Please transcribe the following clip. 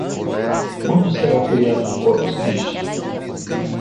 Quando será o feriado de Corpus Christi?